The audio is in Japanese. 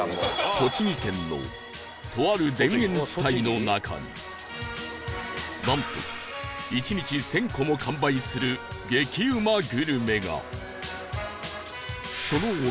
栃木県のとある田園地帯の中になんと１日１０００個も完売する激うまグルメが